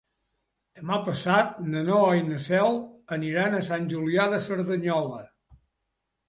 Demà passat na Noa i na Cel aniran a Sant Julià de Cerdanyola.